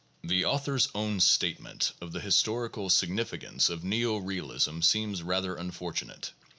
The authors' own statement (pp. 2 10) of the historical signifi cance of neo realism seems rather unfortunate.